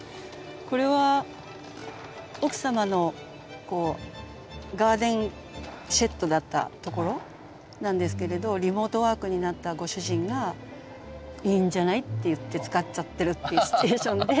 これは奥様のこうガーデンシェッドだったところなんですけれどリモートワークになったご主人が「いいんじゃない」っていって使っちゃってるっていうシチュエーションで。